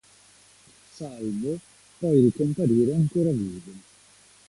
Salvo poi ricomparire ancora vivo.